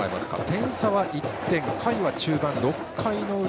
点差は１点、回は中盤６回の裏。